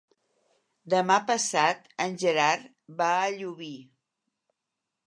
Demà passat en Gerard va a Llubí.